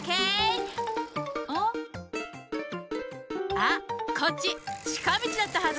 あっこっちちかみちだったはず！